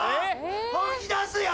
本気出すよ！